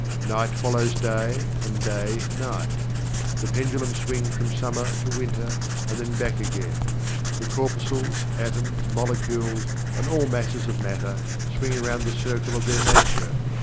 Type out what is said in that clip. Night follows day; and day night. The pendulum swings from Summer to Winter, and then back again. The corpuscles, atoms, molecules, and all masses of matter, swing around the circle of their nature.